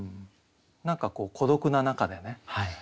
何か孤独な中でね